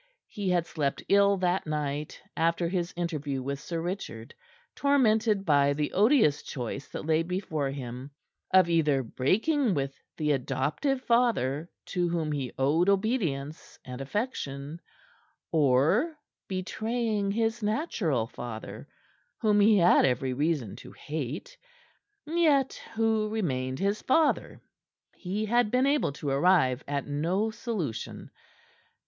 He had slept ill that night after his interview with Sir Richard, tormented by the odious choice that lay before him of either breaking with the adoptive father to whom he owed obedience and affection, or betraying his natural father whom he had every reason to hate, yet who remained his father. He had been able to arrive at no solution.